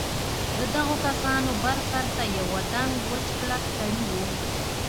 د دغو کسانو بر سر ته یوه دنګ وچ کلک سړي و.